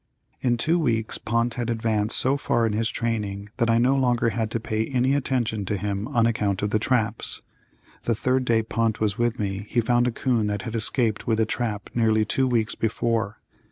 In two weeks Pont had advanced so far in his training that I no longer had to pay any attention to him on account of the traps. The third day Pont was with me he found a 'coon that had escaped with a trap nearly two weeks before.